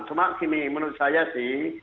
cuma gini menurut saya sih